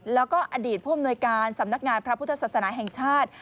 แล้วก็อดีตผู้อำนวยการสำนักงานพระพุทธศาสนาแห่งชาติ